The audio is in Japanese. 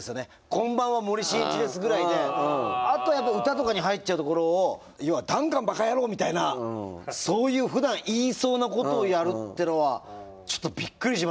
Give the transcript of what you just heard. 「こんばんは森進一です」ぐらいであとはやっぱり歌とかに入っちゃうところを要は「ダンカンバカ野郎」みたいなそういうふだん言いそうなことをやるってのはちょっとびっくりしましたよね。